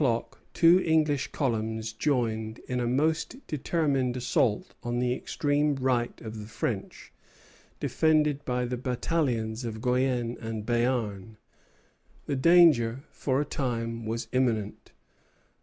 Toward five o'clock two English columns joined in a most determined assault on the extreme right of the French, defended by the battalions of Guienne and Béarn. The danger for a time was imminent.